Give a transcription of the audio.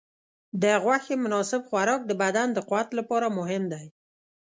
د غوښې مناسب خوراک د بدن د قوت لپاره مهم دی.